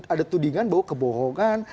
ada tudingan bahwa kebohongan